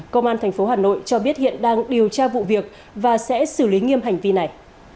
công an tp hà nội cho biết hiện đang điều tra vụ việc và sẽ xử lý nghiêm hành vi này